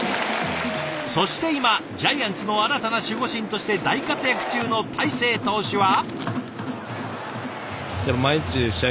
そして今ジャイアンツの新たな守護神として大活躍中の大勢投手は。